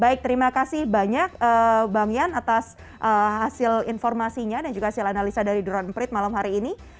baik terima kasih banyak bang yan atas hasil informasinya dan juga hasil analisa dari drone emprit malam hari ini